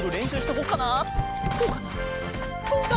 こうかな？